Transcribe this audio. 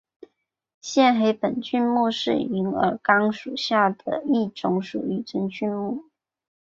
线黑粉菌目是银耳纲下属的一种属于真菌的目。